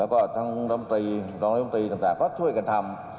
แล้วก็ทั้งร้องร้องดรมตรีต่างก็ช่วยกันทำ